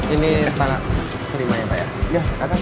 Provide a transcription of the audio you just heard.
ini anak terima ya pak ya